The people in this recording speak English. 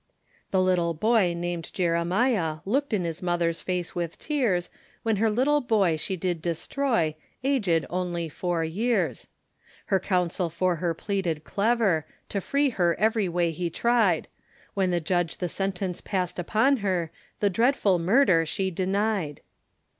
The little boy named Jeremiah, Looked in his mother's face with tears When her little boy she did destroy, Aged only four years; Her counsel for her pleaded clever To free her every way he tried, When the Judge the sentence passed upon her, The dreadful murder she denied.